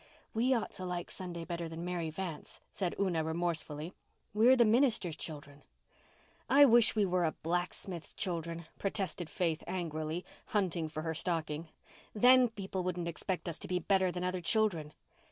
"We ought to like Sunday better than Mary Vance," said Una remorsefully. "We're the minister's children." "I wish we were a blacksmith's children," protested Faith angrily, hunting for her stockings. "Then people wouldn't expect us to be better than other children.